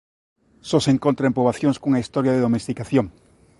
Só se encontra en poboacións cunha historia de domesticación.